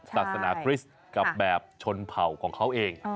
ศาสนาคริสต์กับแบบชนเผ่าของเขาเอง